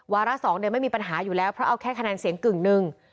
ระสองเนี่ยไม่มีปัญหาอยู่แล้วเพราะเอาแค่คะแนนเสียงกึ่งหนึ่ง